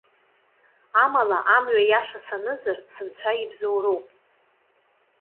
Амала, амҩа иаша санызар, сынцәа ибзоуроуп.